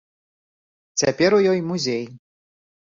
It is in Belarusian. Цяпер у ёй музей.